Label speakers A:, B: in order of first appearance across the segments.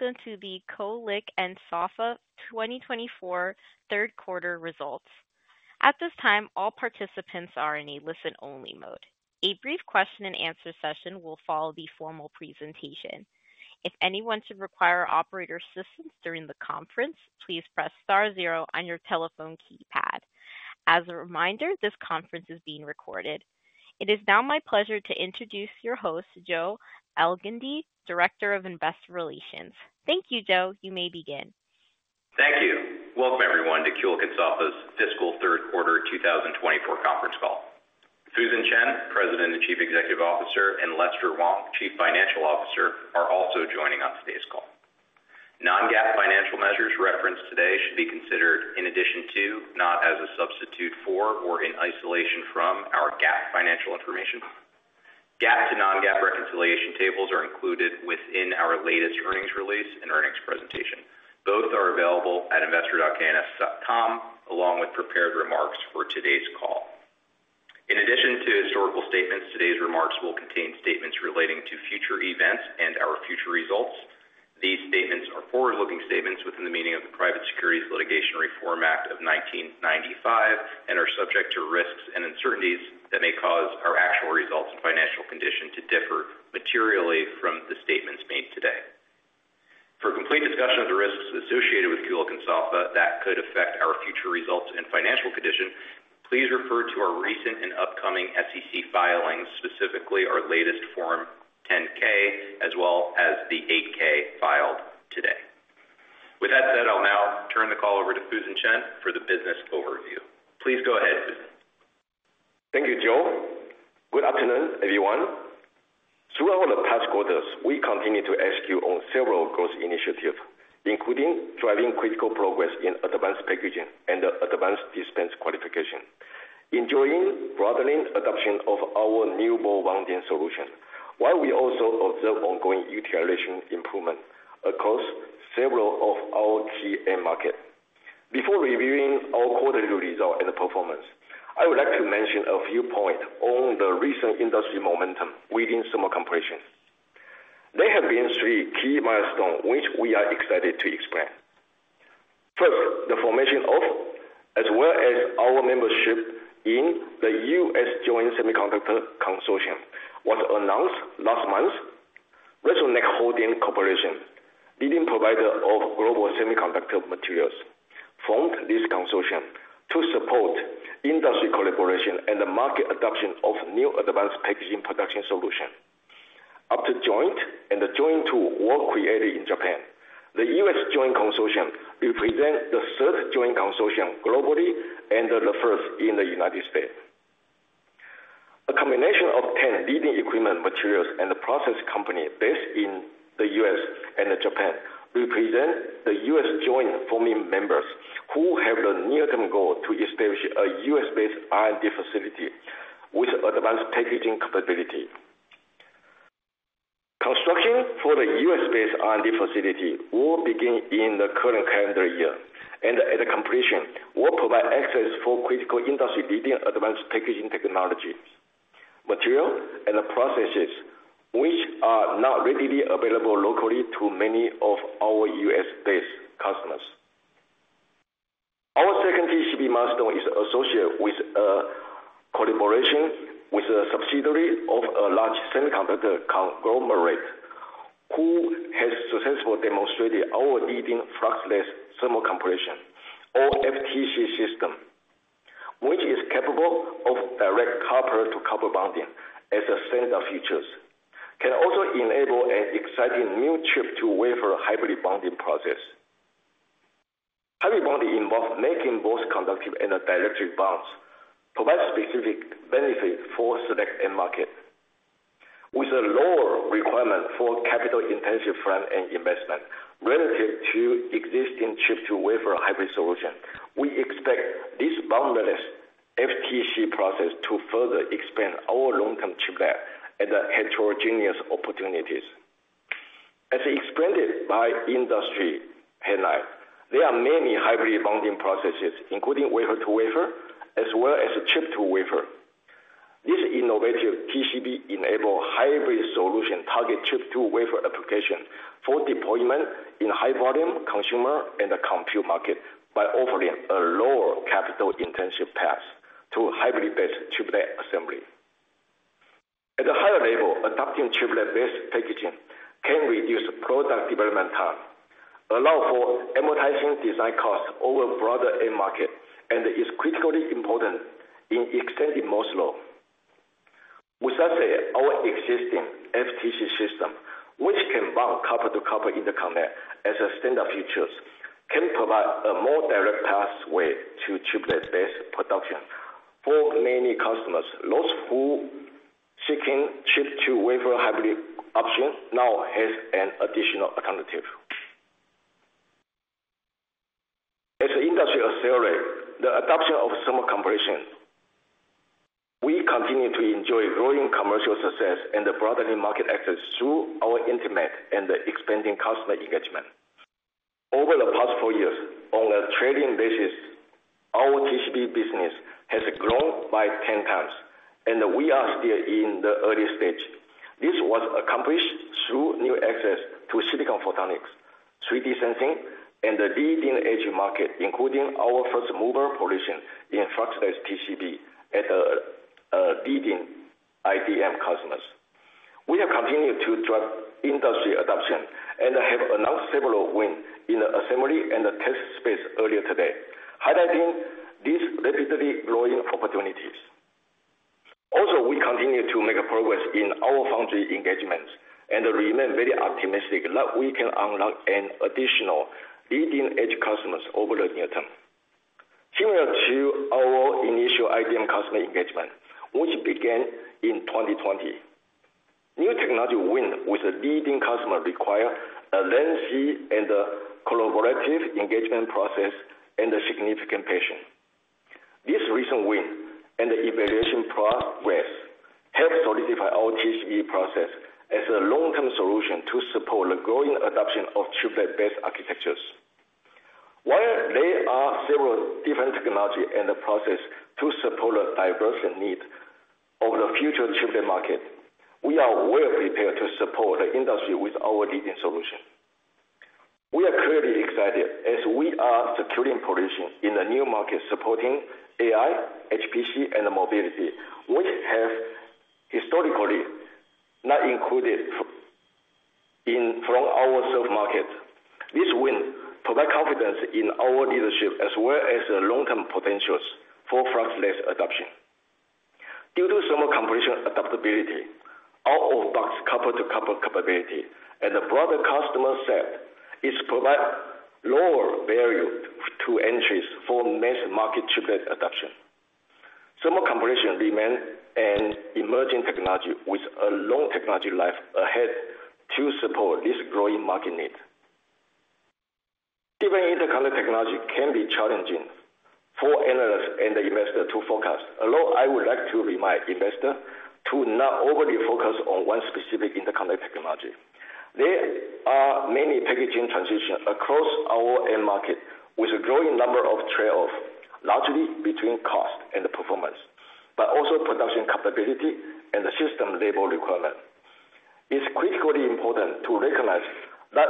A: Welcome to the Kulicke and Soffa 2024 Third Quarter Results. At this time, all participants are in a listen-only mode. A brief question and answer session will follow the formal presentation. If anyone should require operator assistance during the conference, please press star zero on your telephone keypad. As a reminder, this conference is being recorded. It is now my pleasure to introduce your host, Joseph Elgindy, Director of Investor Relations. Thank you, Joe. You may begin.
B: Thank you. Welcome, everyone, to Kulicke and Soffa's Fiscal Third Quarter 2024 Conference Call. Fusen Chen, President and Chief Executive Officer, and Lester Wong, Chief Financial Officer, are also joining on today's call. Non-GAAP financial measures referenced today should be considered in addition to, not as a substitute for or in isolation from, our GAAP financial information. GAAP to non-GAAP reconciliation tables are included within our latest earnings release and earnings presentation. Both are available at investor.klic.com, along with prepared remarks for today's call. In addition to historical statements, today's remarks will contain statements relating to future events and our future results. These statements are forward-looking statements within the meaning of the Private Securities Litigation Reform Act of 1995, and are subject to risks and uncertainties that may cause our actual results and financial condition to differ materially from the statements made today. For a complete discussion of the risks associated with Kulicke and Soffa that could affect our future results and financial condition, please refer to our recent and upcoming SEC filings, specifically our latest Form 10-K, as well as the 8-K filed today. With that said, I'll now turn the call over to Fusen Chen for the business overview. Please go ahead, Fusen.
C: Thank you, Joe. Good afternoon, everyone. Throughout the past quarters, we continued to execute on several growth initiatives, including driving critical progress in advanced packaging and advanced dispense qualification, enjoying broadening adoption of our new ball bonding solution, while we also observe ongoing utilization improvement across several of our GM market. Before reviewing our quarterly results and performance, I would like to mention a few points on the recent industry momentum within thermal compression. There have been three key milestones, which we are excited to explain. First, the formation of, as well as our membership in, the US-JOINT Consortium was announced last month. Resonac Holdings Corporation, leading provider of global semiconductor materials, formed this consortium to support industry collaboration and the market adoption of new advanced packaging production solution. After JOINT and the JOINT2 were created in Japan, the US-JOINT Consortium represents the third joint consortium globally and the first in the United States. A combination of ten leading equipment, materials, and process companies based in the US and Japan represent the US-JOINT founding members, who have the near-term goal to establish a US-based R&D facility with advanced packaging capability. Construction for the US-based R&D facility will begin in the current calendar year, and at completion, will provide access for critical industry-leading advanced packaging technologies, materials, and processes, which are not readily available locally to many of our US-based customers. Our second TCB milestone is associated with a collaboration with a subsidiary of a large semiconductor conglomerate, who has successfully demonstrated our leading fluxless thermal compression, or FTC system, which is capable of direct copper-to-copper bonding as a standard feature, can also enable an exciting new chip-to-wafer hybrid bonding process. Hybrid bonding involves making both conductive and dielectric bonds, provide specific benefits for select end market. With a lower requirement for capital-intensive front-end investment relative to existing chip-to-wafer hybrid solution, we expect this fluxless FTC process to further expand our long-term chiplet and the heterogeneous opportunities. As explained by industry headlines, there are many hybrid bonding processes, including wafer-to-wafer as well as chip-to-wafer. This innovative TCB-enabled hybrid solution target chip-to-wafer application for deployment in high volume, consumer, and the compute market by offering a lower capital-intensive path to hybrid-based chiplet assembly. At a higher level, adopting chiplet-based packaging can reduce product development time, allow for amortizing design costs over broader end market, and is critically important in extending Moore's law. With that said, our existing FTC system, which can bond copper-to-copper interconnect as a standard features, can provide a more direct pathway to chiplet-based production for many customers. Those who seeking chip-to-wafer hybrid options now have an additional alternative. As the industry accelerates the adoption of thermal compression, we continue to enjoy growing commercial success and the broadening market access through our intimate and expanding customer engagement. Four years on a trading basis, our TCB business has grown by 10 times, and we are still in the early stage. This was accomplished through new access to silicon photonics, 3D sensing, and the leading-edge market, including our first mover position in fluxless TCB at the leading IDM customers. We have continued to drive industry adoption and have announced several wins in the assembly and the test space earlier today, highlighting these rapidly growing opportunities. Also, we continue to make progress in our foundry engagements and remain very optimistic that we can unlock an additional leading-edge customers over the near term. Similar to our initial IDM customer engagement, which began in 2020, new technology win with a leading customer require a lengthy and a collaborative engagement process and a significant patience. This recent win and the evaluation progress help solidify our TCB process as a long-term solution to support the growing adoption of chiplet-based architectures. While there are several different technology and the process to support the diverse needs of the future chiplet market, we are well prepared to support the industry with our leading solution. We are clearly excited as we are securing positions in the new market, supporting AI, HPC, and mobility, which have historically not included prior input from our server market. This will provide confidence in our leadership as well as the long-term potential for fluxless adoption. Due to thermal compression adaptability, out-of-the-box copper-to-copper capability and a broader customer set, it provides lower barriers to entry for mass market chipset adoption. Thermal compression is an emerging technology with a long technology life ahead to support this growing market need. Even interconnect technology can be challenging for analysts and the investor to forecast. Although I would like to remind investors to not overly focus on one specific interconnect technology. There are many packaging transitions across our end market, with a growing number of trade-offs, largely between cost and the performance, but also production capability and the system level requirement. It's critically important to recognize that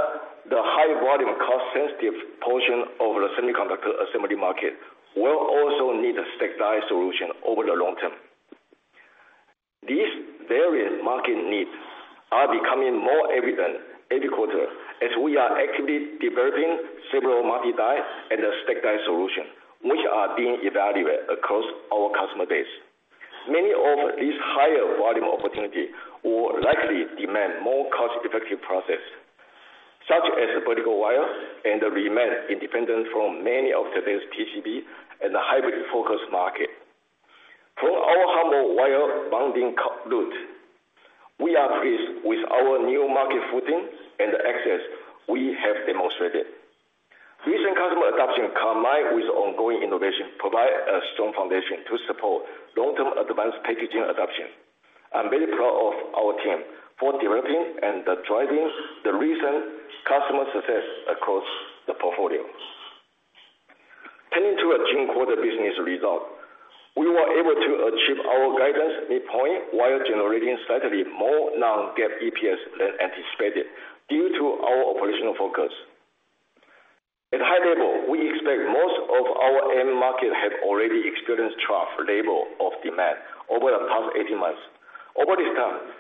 C: the high volume, cost-sensitive portion of the semiconductor assembly market will also need a stack die solution over the long term. These various market needs are becoming more evident every quarter as we are actively developing several market dies and a stack die solution, which are being evaluated across our customer base. Many of these higher volume opportunity will likely demand more cost-effective process, such as vertical wires and remain independent from many of today's TCB and the hybrid focus market. From our humble wire bonding route, we are pleased with our new market footing and the access we have demonstrated. Recent customer adoption, combined with ongoing innovation, provide a strong foundation to support long-term advanced packaging adoption. I'm very proud of our team for developing and driving the recent customer success across the portfolio. Turning to our June quarter business result, we were able to achieve our guidance midpoint while generating slightly more non-GAAP EPS than anticipated due to our operational focus. At a high level, we expect most of our end markets have already experienced trough level of demand over the past 18 months. Over this time,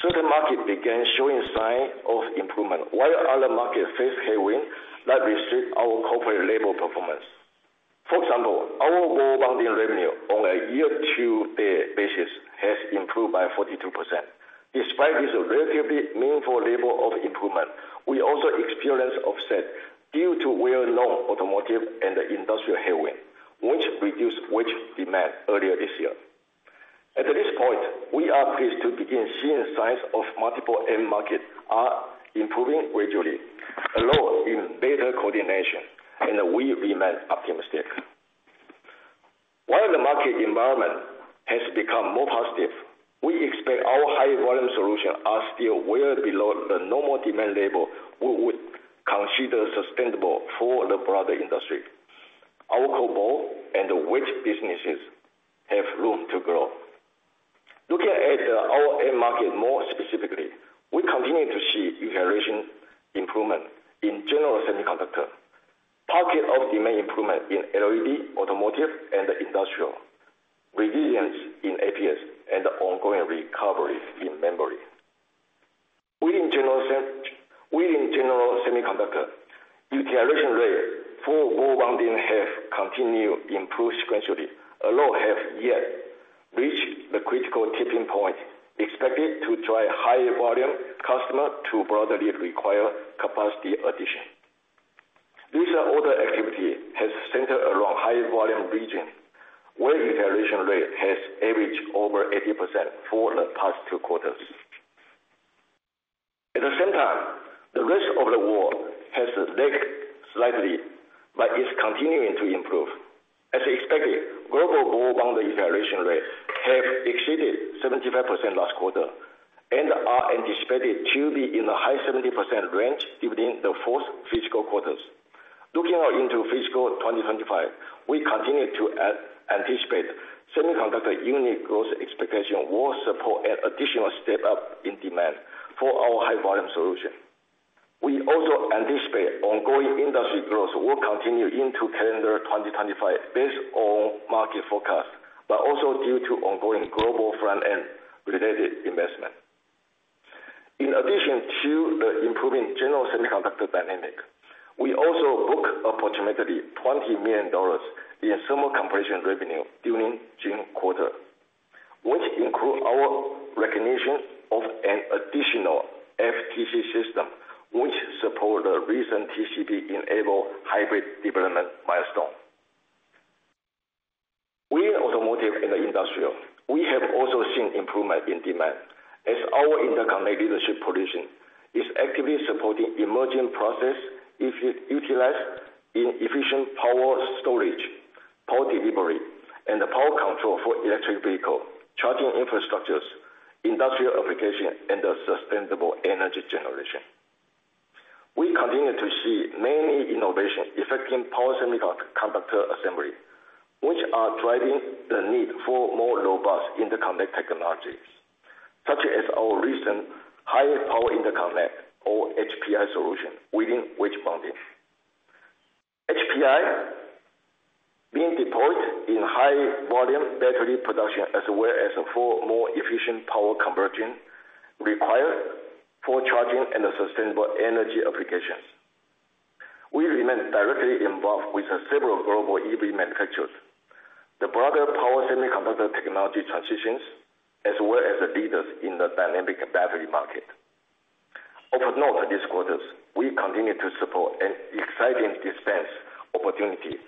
C: certain markets began showing signs of improvement, while other markets face headwinds that restrict our corporate-level performance. For example, our ball bonding revenue on a year-to-date basis has improved by 42%. Despite this relatively meaningful level of improvement, we also experienced offset due to well-known automotive and industrial headwinds, which reduced wedge demand earlier this year. At this point, we are pleased to begin seeing signs of multiple end markets are improving gradually, although in better coordination, and we remain optimistic. While the market environment has become more positive, we expect our high volume solutions are still well below the normal demand level we would consider sustainable for the broader industry. Our ball and wedge businesses have room to grow. Looking at our end market more specifically, we continue to see utilization improvement in general semiconductor, pockets of demand improvement in LED, automotive, and industrial, resilience in APS, and ongoing recovery in memory. In general semiconductor, utilization rate for ball bonding have continued to improve sequentially, although have yet reached the critical tipping point, expected to drive higher volume customer to broadly require capacity addition. These other activity has centered around higher volume region, where utilization rate has averaged over 80% for the past two quarters. At the same time, the rest of the world has lagged slightly, but is continuing to improve. As expected, global ball bonding utilization rates have exceeded 75% last quarter, and are anticipated to be in the high 70% range during the fourth fiscal quarter. Looking out into fiscal 2025, we continue to anticipate semiconductor unit growth expectation will support an additional step up in demand for our high volume solution. We also anticipate ongoing industry growth will continue into calendar 2025 based on market forecast, but also due to ongoing global front-end related investment. In addition to the improving General Semiconductor dynamic, we also booked approximately $20 million in thermal compression revenue during June quarter, which include our recognition of an additional FTC system, which support the recent TCB-enabled hybrid development milestone. With automotive and the industrial, we have also seen improvement in demand, as our interconnect leadership position is actively supporting emerging process if utilized in efficient power storage, power delivery, and the power control for electric vehicle, charging infrastructures, industrial application, and the sustainable energy generation. We continue to see many innovations affecting power semiconductor assembly, which are driving the need for more robust interconnect technologies, such as our recent high power interconnect or HPI solution within wedge bonding. HPI being deployed in high volume battery production, as well as for more efficient power conversion required for charging and sustainable energy applications. We remain directly involved with several global EV manufacturers, the broader power semiconductor technology transitions, as well as the leaders in the dynamic battery market. Over the next few quarters, we continue to support an exciting dispense opportunity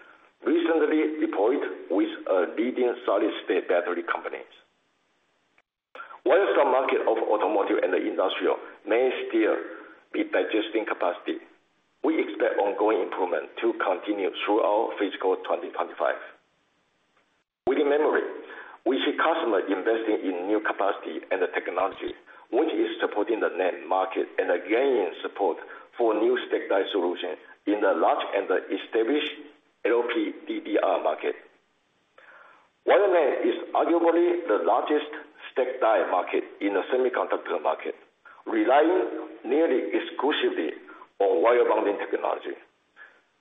C: recently deployed with a leading solid state battery companies. While some market of automotive and industrial may still be digesting capacity, we expect ongoing improvement to continue throughout fiscal 2025. Within memory, we see customers investing in new capacity and the technology, which is supporting the NAND market and again, support for new stack die solution in the large and the established LPDDR market. While NAND is arguably the largest stack die market in the semiconductor market, relying nearly exclusively on wire bonding technology,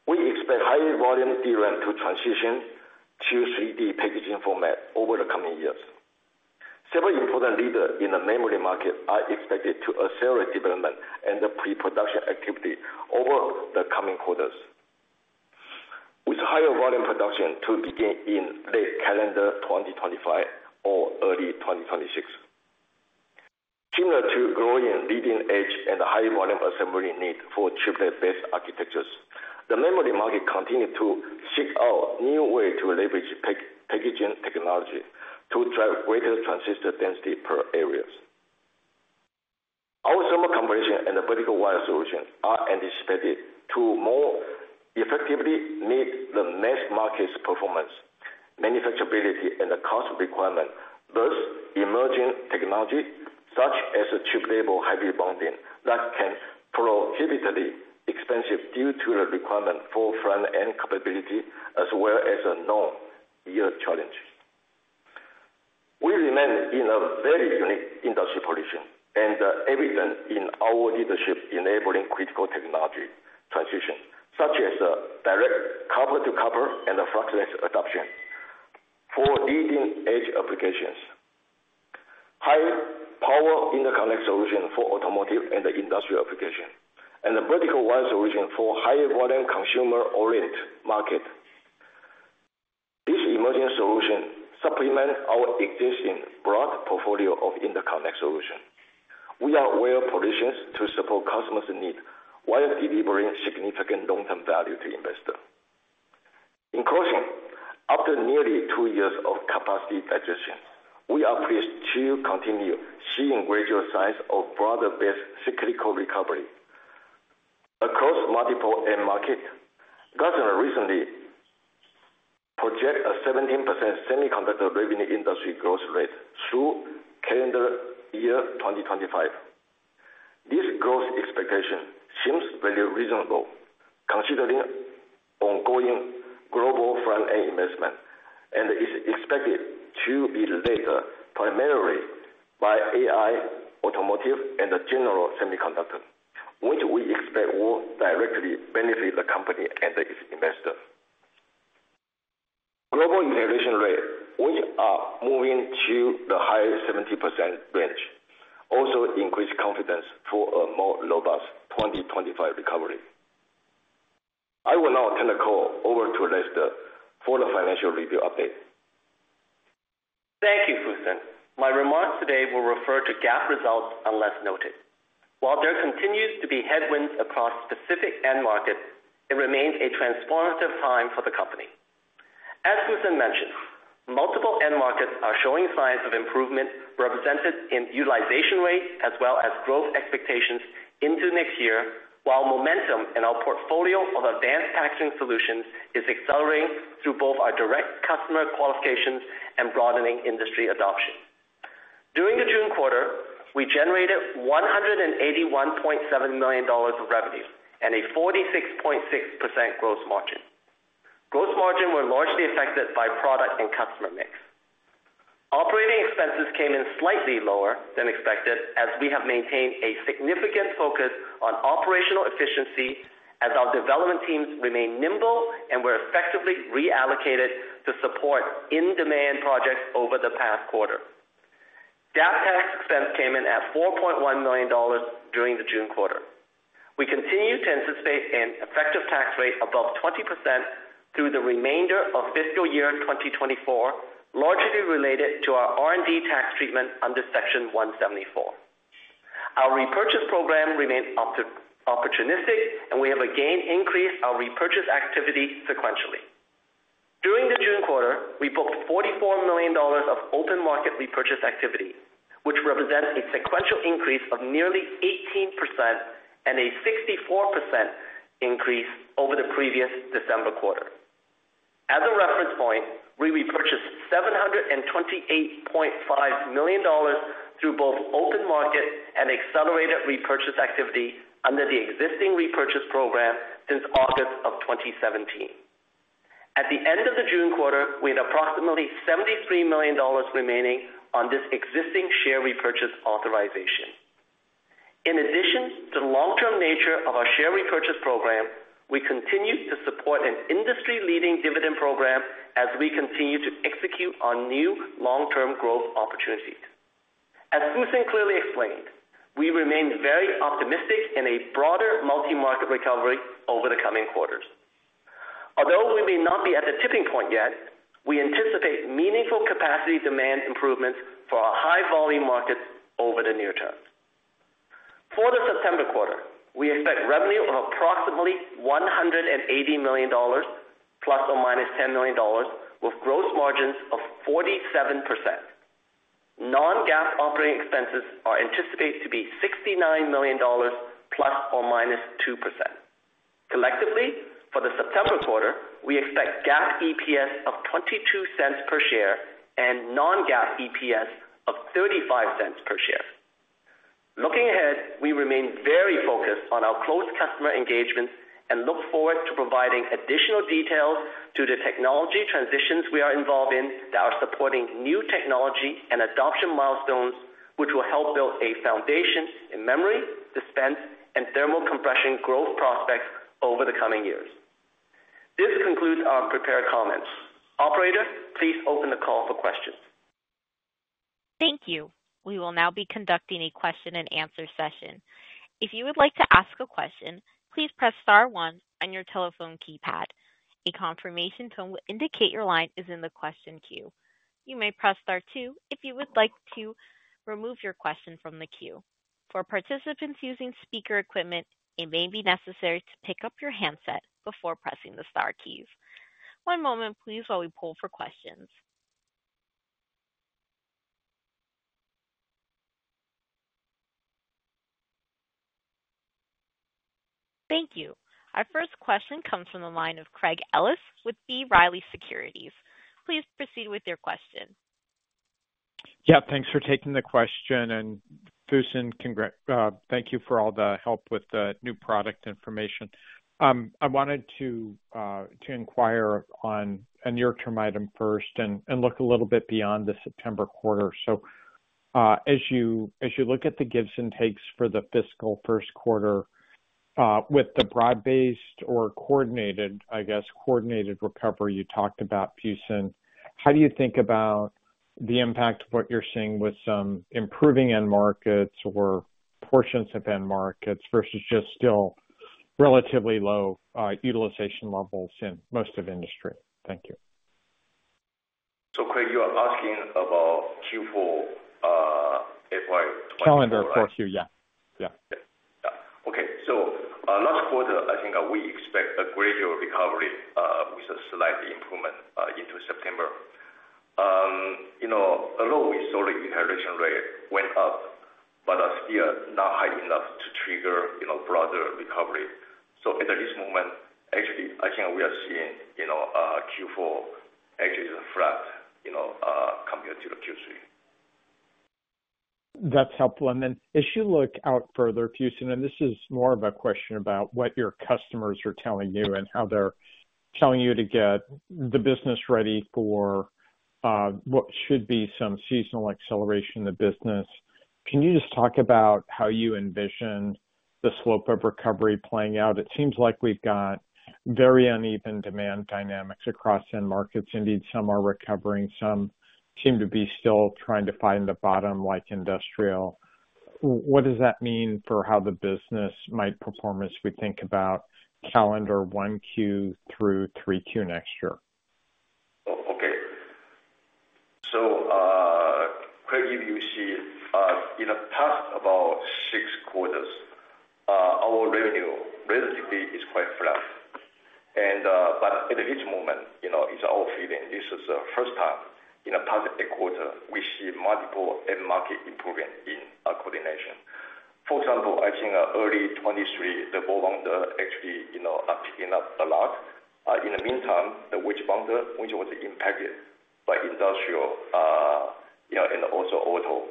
C: we expect high volume DRAM to transition to 3D packaging format over the coming years. Several important leaders in the memory market are expected to accelerate development and the pre-production activity over the coming quarters, with higher volume production to begin in late calendar 2025 or early 2026. Similar to growing leading-edge and high-volume assembly need for chiplet-based architectures, the memory market continued to seek out new ways to leverage packaging technology to drive greater transistor density per area. Our thermal compression and the vertical wire solutions are anticipated to more effectively meet the next market's performance, manufacturability, and the cost requirement. Thus, emerging technology, such as TCB-enabled hybrid bonding, that can be prohibitively expensive due to the requirement for front-end capability, as well as known yield challenges. We remain in a very unique industry position and, evident in our leadership, enabling critical technology transition, such as the direct copper-to-copper and the fluxless adoption for leading-edge applications, high power interconnect solution for automotive and the industrial application, and the vertical wire solution for higher-volume consumer-oriented market. This emerging solution supplements our existing broad portfolio of interconnect solution. We are well positioned to support customers' needs while delivering significant long-term value to investors. In closing, after nearly 2 years of capacity digestion, we are pleased to continue seeing greater signs of broader-based cyclical recovery across multiple end markets. Gartner recently projects a 17% semiconductor revenue industry growth rate through calendar year 2025. This growth expectation seems very reasonable, considering ongoing global front-end investment, and is expected to be led primarily by AI, automotive, and the general semiconductor, which we expect will directly benefit the company and its investors. Global utilization rates, we are moving to the high 70% range, also increased confidence for a more robust 2025 recovery. I will now turn the call over to Lester for the financial review update.
D: Thank you, Fusen. My remarks today will refer to GAAP results, unless noted. While there continues to be headwinds across specific end markets, it remains a transformative time for the company. As Fusen mentioned,... Multiple end markets are showing signs of improvement, represented in utilization rates as well as growth expectations into next year, while momentum in our portfolio of advanced packaging solutions is accelerating through both our direct customer qualifications and broadening industry adoption. During the June quarter, we generated $181.7 million of revenues and a 46.6% gross margin. Gross margin were largely affected by product and customer mix. Operating expenses came in slightly lower than expected, as we have maintained a significant focus on operational efficiency, as our development teams remain nimble and were effectively reallocated to support in-demand projects over the past quarter. GAAP tax expense came in at $4.1 million during the June quarter. We continue to anticipate an effective tax rate above 20% through the remainder of fiscal year 2024, largely related to our R&D tax treatment under Section 174. Our repurchase program remains opportunistic, and we have again increased our repurchase activity sequentially. During the June quarter, we booked $44 million of open market repurchase activity, which represents a sequential increase of nearly 18% and a 64% increase over the previous December quarter. As a reference point, we repurchased $728.5 million through both open market and accelerated repurchase activity under the existing repurchase program since August of 2017. At the end of the June quarter, we had approximately $73 million remaining on this existing share repurchase authorization. In addition to the long-term nature of our share repurchase program, we continue to support an industry-leading dividend program as we continue to execute on new long-term growth opportunities. As Fusen clearly explained, we remain very optimistic in a broader multi-market recovery over the coming quarters. Although we may not be at the tipping point yet, we anticipate meaningful capacity demand improvements for our high-volume markets over the near term. For the September quarter, we expect revenue of approximately $180 million, ±$10 million, with gross margins of 47%. Non-GAAP operating expenses are anticipated to be $69 million, ±2%. Collectively, for the September quarter, we expect GAAP EPS of $0.22 per share and non-GAAP EPS of $0.35 per share. Looking ahead, we remain very focused on our close customer engagements and look forward to providing additional details to the technology transitions we are involved in that are supporting new technology and adoption milestones, which will help build a foundation in memory, dispense, and thermal compression growth prospects over the coming years. This concludes our prepared comments. Operator, please open the call for questions.
A: Thank you. We will now be conducting a question-and-answer session. If you would like to ask a question, please press star one on your telephone keypad. A confirmation tone will indicate your line is in the question queue. You may press star two if you would like to remove your question from the queue. For participants using speaker equipment, it may be necessary to pick up your handset before pressing the star keys. One moment, please, while we poll for questions. Thank you. Our first question comes from the line of Craig Ellis with B. Riley Securities. Please proceed with your question.
E: Yeah, thanks for taking the question, and Fusen, thank you for all the help with the new product information. I wanted to inquire on a near-term item first and look a little bit beyond the September quarter. So, as you look at the gives and takes for the fiscal first quarter, with the broad-based or coordinated, I guess, coordinated recovery you talked about, Fusen, how do you think about the impact of what you're seeing with some improving end markets or portions of end markets versus just still relatively low utilization levels in most of industry? Thank you.
D: So, Craig, you are asking about Q4, FY-
E: Calendar 4, yeah. Yeah.
D: Yeah. Yeah. Okay. So, last quarter, I think, we expect a gradual recovery, with a slight improvement, into September. You know, although we saw the utilization rate went up, but are still not high enough to trigger, you know, broader recovery. So at this moment, actually, I think we are seeing, you know, Q4 actually is flat, you know, compared to the Q3.
E: That's helpful. Then as you look out further, Fusen, and this is more of a question about what your customers are telling you and how they're telling you to get the business ready for what should be some seasonal acceleration in the business. Can you just talk about how you envision the slope of recovery playing out? It seems like we've got very uneven demand dynamics across end markets. Indeed, some are recovering, some seem to be still trying to find the bottom, like industrial. What does that mean for how the business might perform as we think about calendar one Q through three Q next year?
C: Oh, okay. So...... I give you, see, in the past about six quarters, our revenue relatively is quite flat. But at this moment, you know, it's our feeling this is the first time in the past eight quarters, we see multiple end market improvement in our coordination. For example, I think, early 2023, the ball bonding actually, you know, are picking up a lot. In the meantime, the wedge bonding, which was impacted by industrial, you know, and also auto.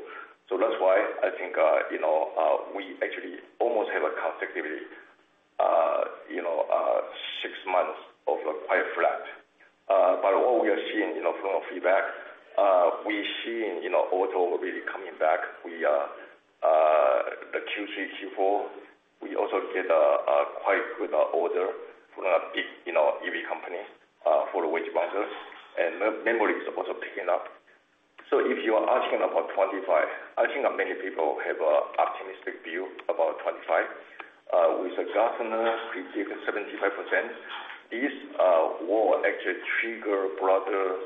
C: So that's why I think, you know, we actually almost have a consecutive, you know, six months of quite flat. But what we are seeing, you know, from feedback, we're seeing, you know, auto really coming back. We are the Q3, Q4, we also get a quite good order from a big, you know, EV company for wedge bonders, and memory is also picking up. So if you are asking about 2025, I think many people have an optimistic view about 2025. With 75%, this will actually trigger broader,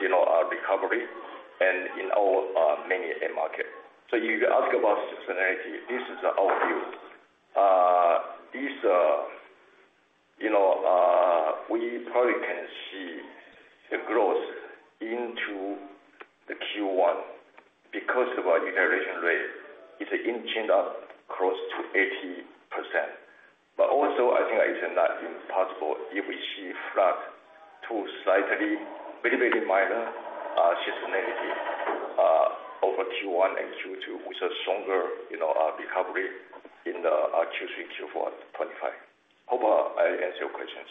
C: you know, recovery and in our many end markets. So you ask about seasonality, this is our view. This, you know, we probably can see a growth into the Q1 because of our utilization rate is inching up close to 80%. But also, I think it's not impossible if we see flat to slightly, very, very minor seasonality over Q1 and Q2, with a stronger, you know, recovery in the Q3, Q4 2025. Hope I answer your questions.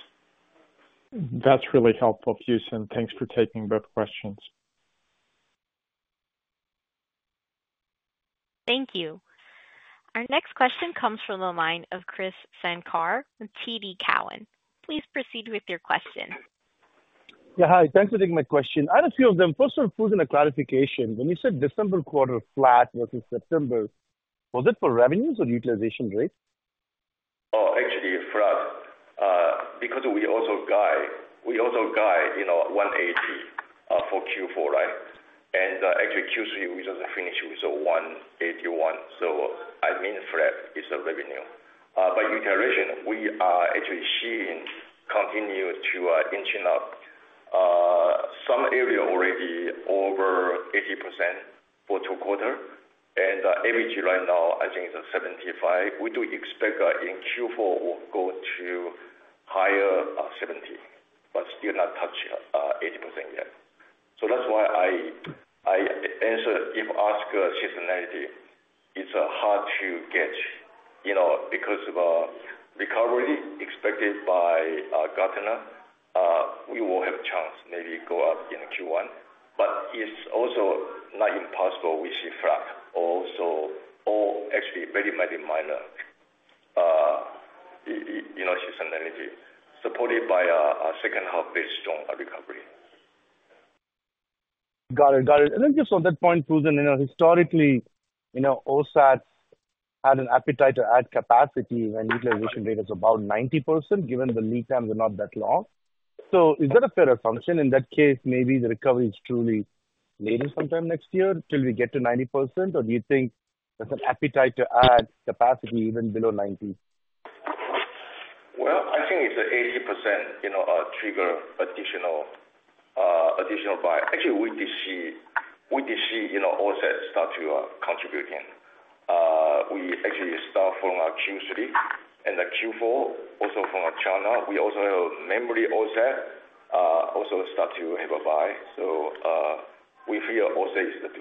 E: That's really helpful, Houston. Thanks for taking both questions.
A: Thank you. Our next question comes from the line of Krish Sankar from TD Cowen. Please proceed with your question.
F: Yeah, hi, thanks for taking my question. I have a few of them. First one and a clarification. When you said December quarter flat versus September, was that for revenues or utilization rate?
C: Oh, actually, flat, because we also guide, we also guide, you know, $180 million for Q4, right? And, actually, Q3, we just finished with a $181 million. So I mean, flat is the revenue. But utilization, we are actually seeing continue to inching up, some area already over 80% for two quarters. And, average right now, I think it's 75%. We do expect, in Q4 will go to higher 70%, but still not touch 80% yet. So that's why I answer, if asked seasonality, it's hard to get, you know, because of recovery expected by Gartner, we will have a chance maybe go up in Q1, but it's also not impossible we see flat also, or actually very, very minor, you know, seasonality, supported by a second half very strong recovery.
F: Got it. Got it. And then just on that point, you know, historically, you know, OSAT had an appetite to add capacity when utilization rate is about 90%, given the lead times are not that long. So is that a fair assumption? In that case, maybe the recovery is truly later sometime next year, till we get to 90%, or do you think there's an appetite to add capacity even below 90?
C: Well, I think it's 80%, you know, trigger additional, additional buy. Actually, we did see, we did see, you know, OSAT start to contribute in. We actually start from Q3 and Q4, also from China. We also have memory OSAT, also start to have a buy. So, we feel OSAT is the,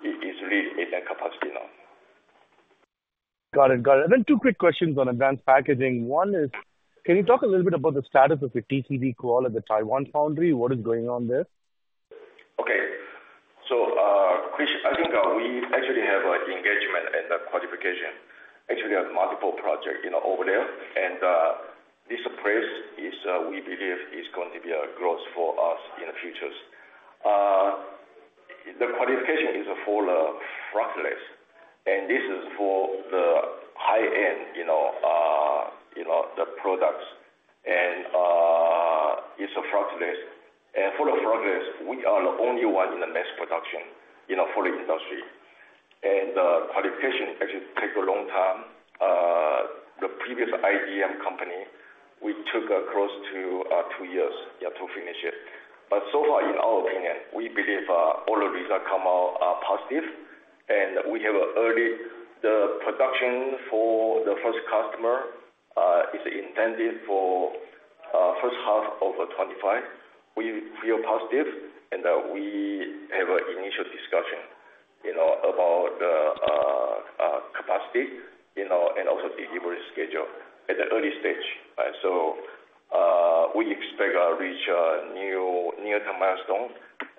C: i-is really in that capacity now.
F: Got it. Got it. And then two quick questions on Advanced Packaging. One is, can you talk a little bit about the status of your TCB call at the Taiwan Foundry? What is going on there?
C: Okay. So, Chris, I think we actually have an engagement and a qualification. Actually, we have multiple projects, you know, over there. And this place is, we believe is going to be a growth for us in the futures. The qualification is for, [inaudible] and this is for the high-end, you know, the products. And it's a. [inaudible] And for the, [inaudible] we are the only one in the mass production, you know, for the industry. And qualification actually take a long time. The previous IDM company, we took close to two years, yeah, to finish it. But so far, in our opinion, we believe all the result come out positive, and we have an early. The production for the first customer is intended for first half of 2025. We feel positive, and we have an initial discussion, you know, about capacity, you know, and also delivery schedule at the early stage. So, we expect reach new near-term milestone,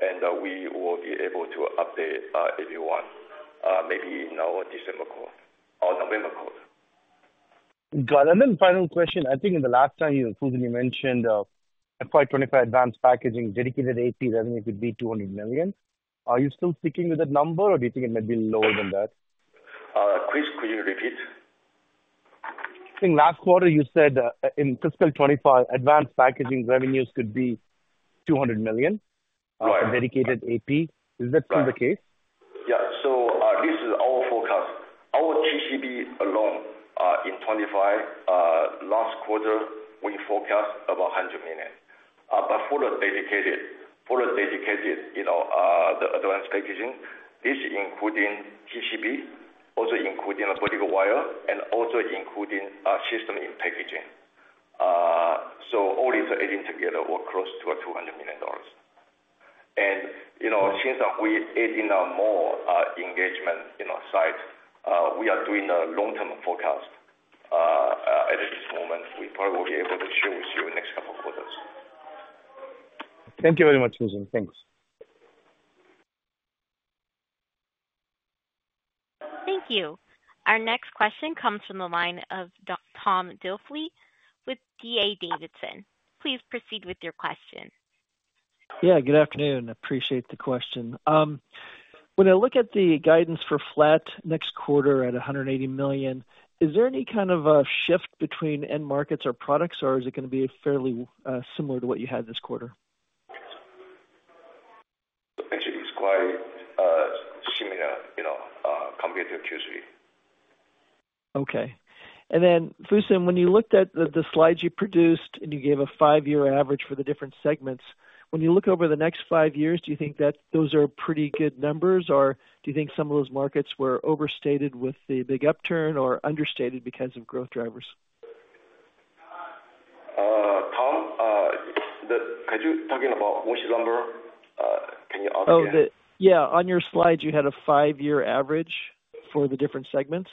C: and we will be able to update everyone, maybe in our December call or November call.
F: Got it. Then final question. I think in the last time, you mentioned FY 2025 advanced packaging dedicated AP revenue could be $200 million. Are you still sticking with that number, or do you think it may be lower than that?
C: Chris, could you repeat?
F: I think last quarter, you said, in fiscal 2025, advanced packaging revenues could be $200 million?
C: Right.
F: Dedicated AP.
C: Right.
F: Is that still the case?
C: Yeah. So, this is our forecast. Our HPC alone, in 2025, last quarter, we forecast about $100 million. But for the dedicated, you know, the advanced packaging, this including HPC, also including vertical wire and also including system in packaging. So all these adding together were close to $200 million. And, you know, since that we adding up more engagement in our site, we are doing a long-term forecast. At this moment, we probably will be able to share with you in the next couple of quarters.
F: Thank you very much, Fusen. Thanks.
A: Thank you. Our next question comes from the line of Tom Diffely with D.A. Davidson. Please proceed with your question.
G: Yeah, good afternoon. I appreciate the question. When I look at the guidance for flat next quarter at $180 million, is there any kind of a shift between end markets or products, or is it going to be fairly similar to what you had this quarter?
C: Actually, it's quite similar, you know, compared to Q3.
G: Okay. And then, Fusen, when you looked at the slides you produced, and you gave a five-year average for the different segments, when you look over the next five years, do you think that those are pretty good numbers, or do you think some of those markets were overstated with the big upturn or understated because of growth drivers?
C: Tom, could you, talking about which number? Can you ask again?
G: Yeah, on your slides, you had a five-year average for the different segments.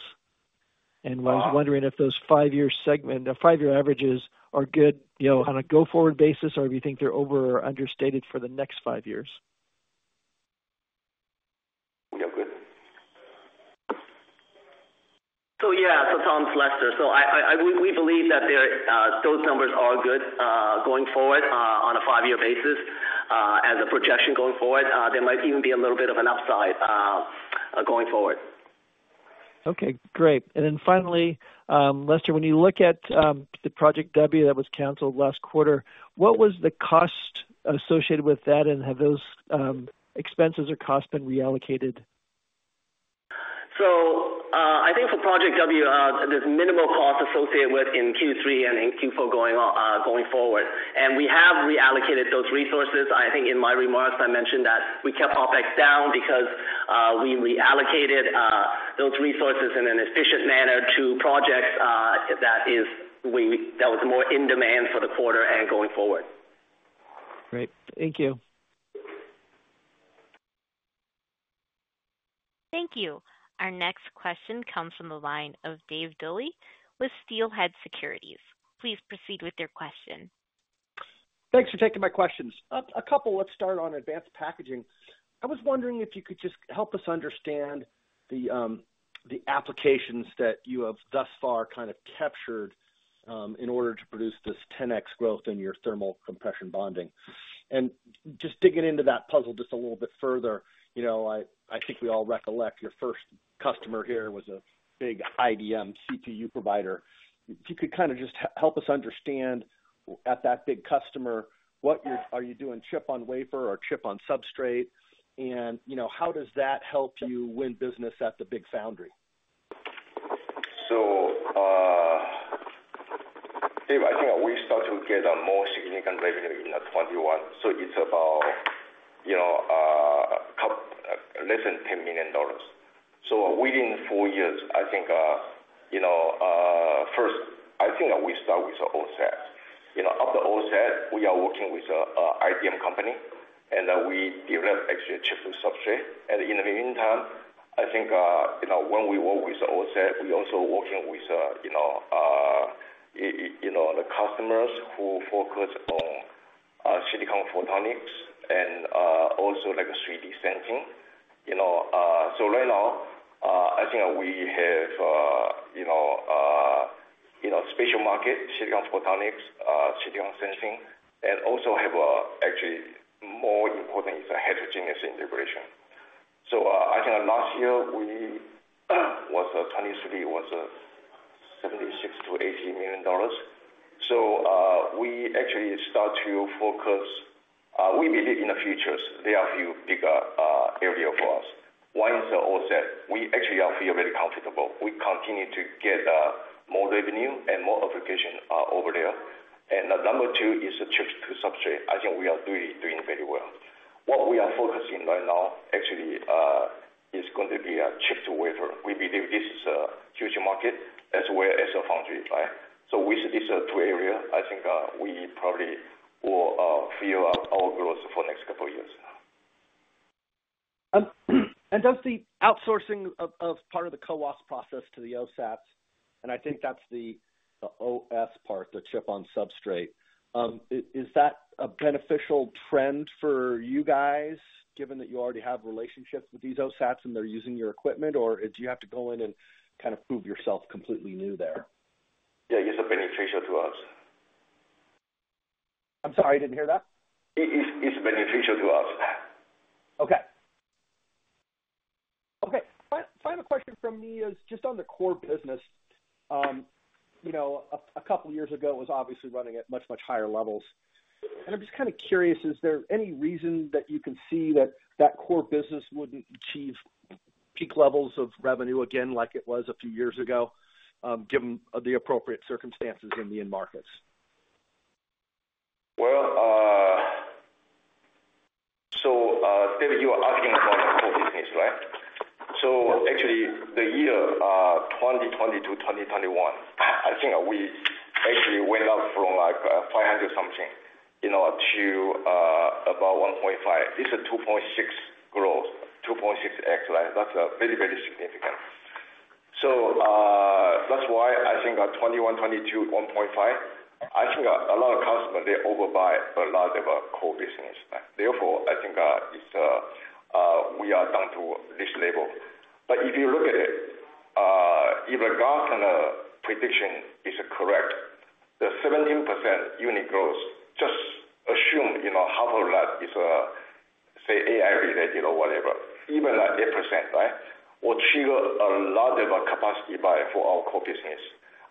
C: Ah.
G: I was wondering if those five-year segment five-year averages are good, you know, on a go-forward basis, or if you think they're over or understated for the next five years?
C: Yeah. Good.
D: So yeah. Tom, it's Lester. So we believe that those numbers are good going forward on a five-year basis. As a projection going forward, there might even be a little bit of an upside going forward.
G: Okay, great. And then finally, Lester, when you look at the Project W that was canceled last quarter, what was the cost associated with that, and have those expenses or costs been reallocated?
D: So, I think for Project W, there's minimal cost associated with in Q3 and in Q4 going forward. And we have reallocated those resources. I think in my remarks, I mentioned that we kept our OpEx down because, we reallocated, those resources in an efficient manner to projects, that is, we, that was more in demand for the quarter and going forward.
G: Great. Thank you.
A: Thank you. Our next question comes from the line of David Duley with Steelhead Securities. Please proceed with your question.
H: Thanks for taking my questions. Let's start on advanced packaging. I was wondering if you could just help us understand the applications that you have thus far kind of captured in order to produce this 10x growth in your thermal compression bonding. And just digging into that puzzle just a little bit further, you know, I think we all recollect your first customer here was a big IDM CPU provider. If you could kind of just help us understand, at that big customer. Are you doing chip on wafer or chip on substrate? And, you know, how does that help you win business at the big foundry?
C: So, Dave, I think we start to get a more significant revenue in 2021. So it's about, you know, couple less than $10 million. So within four years, I think, you know, first, I think we start with OSAT. You know, after OSAT, we are working with a IDM company, and we develop actually a chip to substrate. And in the meantime, I think, you know, when we work with OSAT, we're also working with, you know, you know, the customers who focus on silicon photonics and also like 3D sensing. You know, so right now, I think we have, you know, you know, special market, silicon photonics, silicon sensing, and also have actually more important is a heterogeneous integration. So, I think last year, we was 2023, was $76 million-$80 million. So, we actually start to focus, we believe in the futures. There are a few bigger area for us. One is the OSAT. We actually feel very comfortable. We continue to get more revenue and more application over there. And number two is a chip-to-substrate. I think we are doing very well. What we are focusing right now, actually, is going to be a chip-to-wafer. We believe this is a huge market as well as a foundry, right? So we, these are two areas. I think we probably will fill out our growth for next couple of years.
H: And does the outsourcing of part of the CoWoS process to the OSAT, and I think that's the OS part, the chip on substrate, is that a beneficial trend for you guys, given that you already have relationships with these OSATs and they're using your equipment, or do you have to go in and kind of prove yourself completely new there?
C: Yeah, it's beneficial to us.
H: I'm sorry, I didn't hear that.
C: It's beneficial to us.
H: Okay. Okay. Final question from me is just on the core business. You know, a couple of years ago, it was obviously running at much, much higher levels. And I'm just kind of curious, is there any reason that you can see that that core business wouldn't achieve peak levels of revenue again, like it was a few years ago, given the appropriate circumstances in the end markets?
C: Well, so, David, you are asking about the core business, right? So actually the year 2020 to 2021, I think we actually went up from, like, 500 something, you know, to about 1.5x. This is a 2.6x growth, 2.6x, right? That's very, very significant. So that's why I think our 2021, 2022, 1.5x, I think a lot of customers, they overbuy a lot of our core business. Therefore, I think it's we are down to this level. But if you look at it, if Gartner prediction is correct, the 17% unit growth, just assume, you know, half of that is, say, AI related or whatever, even at 8%, right, will achieve a lot of capacity buy for our core business.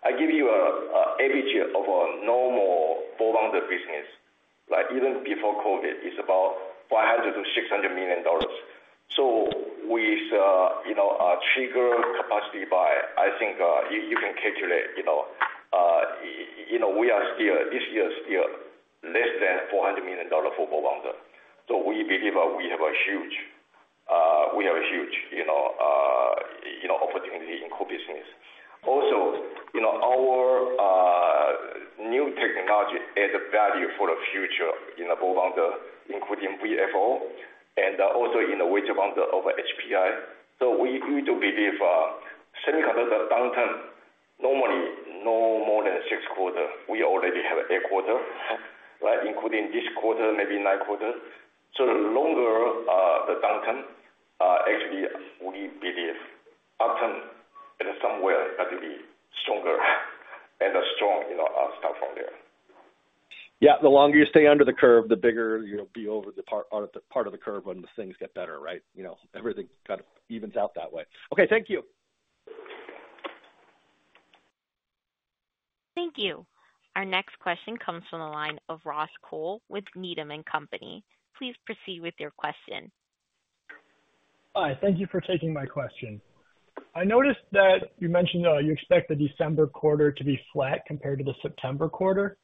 C: I give you an average of a normal bond business, like even before COVID, it's about $500 million-$600 million. So with, you know, a trigger capacity buy, I think, you, you can calculate, you know, you know, we are still, this year is still less than $400 million for bond. So we believe we have a huge, we have a huge, you know, you know, opportunity in core business. Also, you know, our, new technology adds value for the future in the bond, including BSOB and also in the wedge bond of HPI. So we do believe, semiconductor downturn, normally, no more than six quarters. We already have eight quarters, right? Including this quarter, maybe nine quarters. So the longer the downturn, actually we believe often in some way, has to be stronger and a strong, you know, start from there.
H: Yeah, the longer you stay under the curve, the bigger you'll be over the part of the curve when things get better, right? You know, everything kind of evens out that way. Okay. Thank you.
A: Thank you. Our next question comes from the line of Ross Cole with Needham & Company. Please proceed with your question.
I: Hi, thank you for taking my question. I noticed that you mentioned, you expect the December quarter to be flat compared to the September quarter.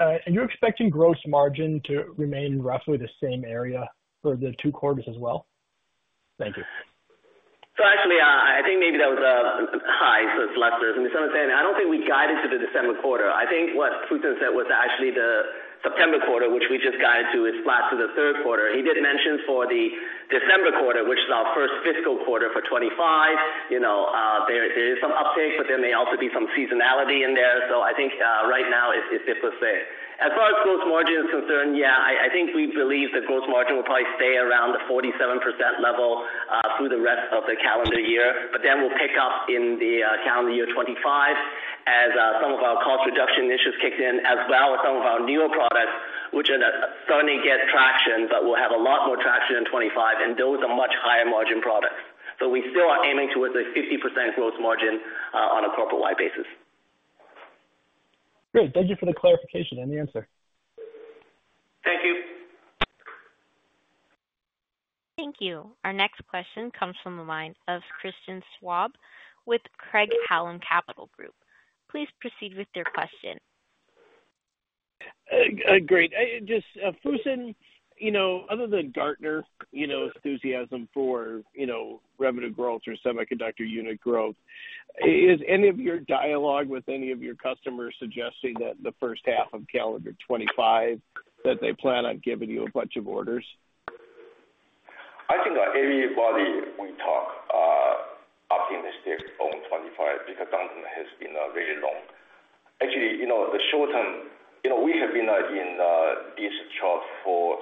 I: And you're expecting gross margin to remain roughly the same area for the two quarters as well? Thank you.
D: So actually, hi, so it's Lester. So I'm saying, I don't think we guided to the December quarter. I think what Fusen said was actually the September quarter, which we just guided to, is flat to the third quarter. He did mention for the December quarter, which is our first fiscal quarter for 2025, you know, there is some uptake, but there may also be some seasonality in there. So I think, right now it's fair to say. As far as gross margin is concerned, yeah, I think we believe the gross margin will probably stay around the 47% level through the rest of the calendar year, but then we'll pick up in the calendar year 2025, as some of our cost reduction initiatives kicked in, as well as some of our newer products, which are starting to get traction, but will have a lot more traction in 2025, and those are much higher margin products. So we still are aiming towards a 50% growth margin on a corporate-wide basis.
I: Great. Thank you for the clarification and the answer.
D: Thank you.
A: Thank you. Our next question comes from the line of Christian Schwab with Craig-Hallum Capital Group. Please proceed with your question.
J: Great. Just, Fusen, you know, other than Gartner, you know, revenue growth or semiconductor unit growth, is any of your dialogue with any of your customers suggesting that the first half of calendar 2025, that they plan on giving you a bunch of orders?
C: I think everybody we talk optimistic on 2025 because downturn has been very long. Actually, you know, the short term, you know, we have been in this chart for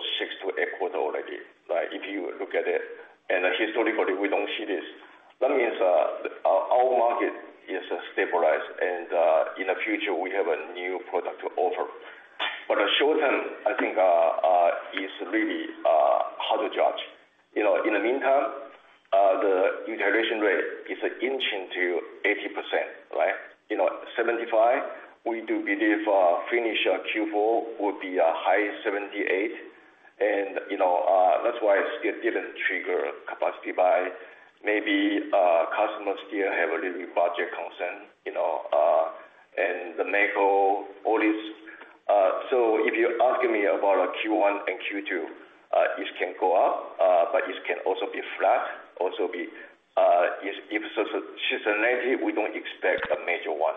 C: 6-8 quarters already, right? If you look at it, and historically, we don't see this, that means our market is stabilized, and in the future, we have a new product to offer. But the short term, I think is really hard to judge. You know, in the meantime, the utilization rate is inching to 80%, right? You know, 75, we do believe finish Q4 will be a high 78. And, you know, that's why it still didn't trigger capacity buy. Maybe customers still have a little budget concern, you know, and the macro, all these... So if you're asking me about Q1 and Q2, it can go up, but it can also be flat, also be if so seasonality, we don't expect a major one,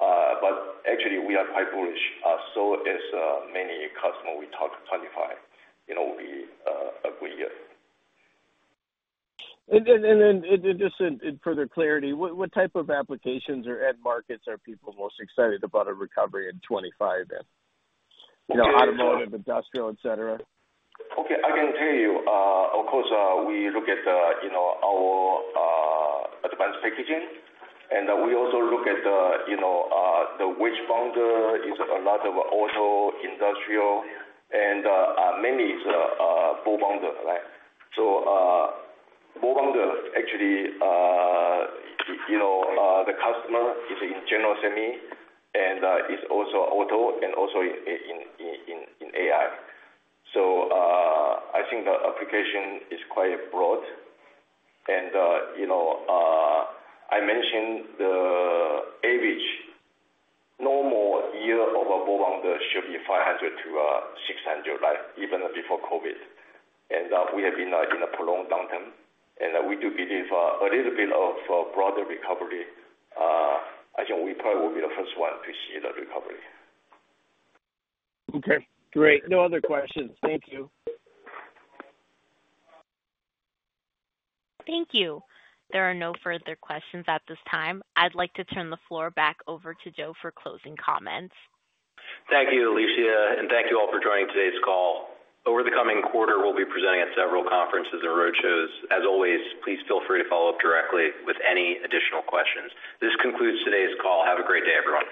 C: but actually we are quite bullish, so as many customer we talk 25, you know, we agree.
J: Just in further clarity, what type of applications or end markets are people most excited about a recovery in 2025 then? You know, automotive, industrial, et cetera.
C: Okay, I can tell you, of course, we look at, you know, our advanced packaging, and we also look at the, you know, the wedge bonder is a lot of auto, industrial, and, mainly it's bonder, right? So, bonder actually, you know, the customer is in general semi, and, is also auto and also in, in, in, in AI. So, I think the application is quite broad. And, you know, I mentioned the average normal year of a bonder should be 500-600, right? Even before COVID. And, we have been in a prolonged downturn, and we do believe a little bit of a broader recovery. I think we probably will be the first one to see the recovery.
J: Okay, great. No other questions. Thank you.
A: Thank you. There are no further questions at this time. I'd like to turn the floor back over to Joe for closing comments.
H: Thank you, Alicia, and thank you all for joining today's call. Over the coming quarter, we'll be presenting at several conferences and roadshows. As always, please feel free to follow up directly with any additional questions. This concludes today's call. Have a great day, everyone.